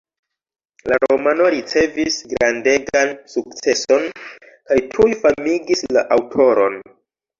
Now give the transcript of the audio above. La romano ricevis grandegan sukceson, kaj tuj famigis la aŭtoron.